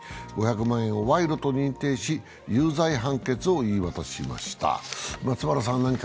５００万円をわいろと認定し、有罪判決を言い渡しました。